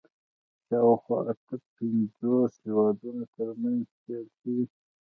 د شاوخوا اته پنځوس هېوادونو تر منځ پیل شوي